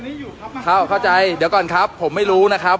นี่อยู่ครับเข้าใจเดี๋ยวก่อนครับผมไม่รู้นะครับ